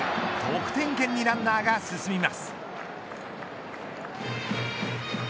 得点圏にランナーが進みます。